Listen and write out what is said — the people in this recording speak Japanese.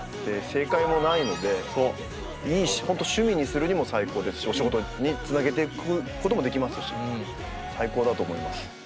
正解もないので本当趣味にするにも最高ですしお仕事につなげていくこともできますし最高だと思います。